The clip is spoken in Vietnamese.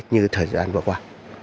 như thời gian vừa qua